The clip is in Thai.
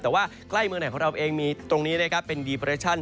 แต่ว่าใกล้เมืองไทยของเราเองมีตรงนี้ได้กลับเป็นดีเปอร์โยชัน